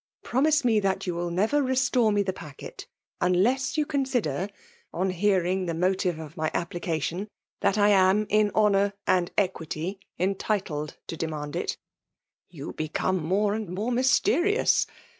Promise mo that you wfll ner^r restore me the packet^'tiiileaa you consider, on hearing the motive of my application, that I am in honour and equity entitled to demand it?" '' You become more and more mysterioua.